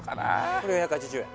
これ４８０円